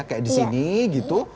kayak di sini gitu